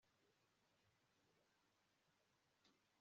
gutsimbarara ku bya kera bitakijyanye n'igihe